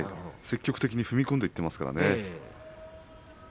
積極的に踏み込んでいっていますからね。